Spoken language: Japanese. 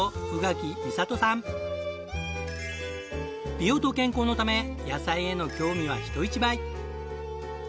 美容と健康のため野菜への興味は人一倍！